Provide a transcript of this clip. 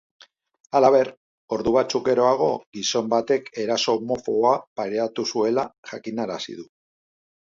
Halaber, ordu batzuk geroago gizon batek eraso homofoboa pairatu zuela jakinarazi du.